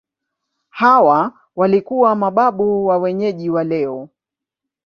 Hawa walikuwa mababu wa wenyeji wa leo.